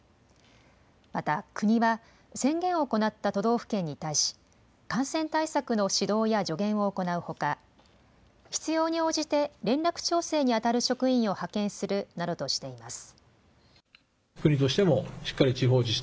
また、国は宣言を行った都道府県に対し、感染対策の指導や助言を行うほか、必要に応じて、連絡調整に当たる職員を派遣するなどとしています。